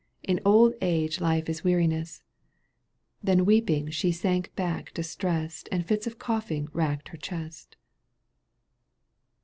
In old age life is weariness I Then weeping she sank back distressed And fits of coughing racked her chest XL.